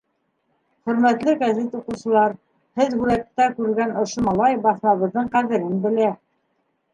Хөрмәтле гәзит уҡыусылар, һеҙ һүрәттә күргән ошо малай баҫмабыҙҙың ҡәҙерен белә.